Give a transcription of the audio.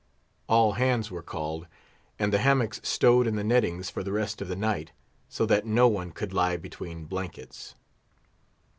All hands were called, and the hammocks stowed in the nettings for the rest of the night, so that no one could lie between blankets.